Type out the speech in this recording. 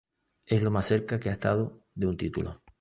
Es lo más cerca que ha estado de un título.